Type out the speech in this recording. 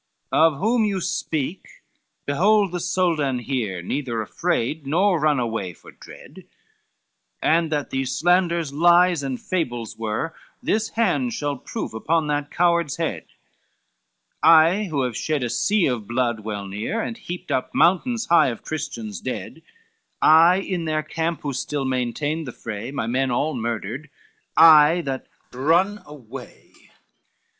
L "Of whom you speak behold the Soldan here, Neither afraid nor run away for dread, And that these slanders, lies and fables were, This hand shall prove upon that coward's head, I, who have shed a sea of blood well near, And heaped up mountains high of Christians dead, I in their camp who still maintained the fray, My men all murdered, I that run away.